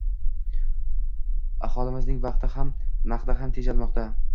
Aholimizning vaqti ham naqdi ham tejalmoqdang